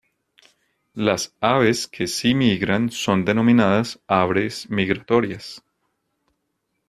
Las aves que sí migran son denominadas aves migratorias.